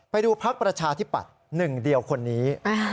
พักประชาธิปัตย์หนึ่งเดียวคนนี้